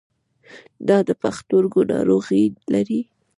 ایا د پښتورګو ناروغي لرئ؟